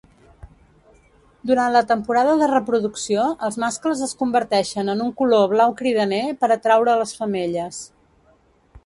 Durant la temporada de reproducció, els mascles es converteixen en un color blau cridaner per atraure les femelles.